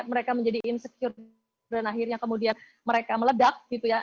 mereka menjadi insecure dan akhirnya kemudian mereka meledak gitu ya